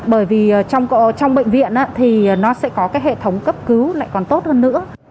bởi vì trong bệnh viện thì nó sẽ có cái hệ thống cấp cứu lại còn tốt hơn nữa